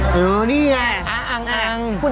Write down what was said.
โหเนี่ยฮ้ะ